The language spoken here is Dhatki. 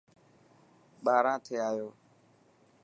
ٻاهران ٿي آيو.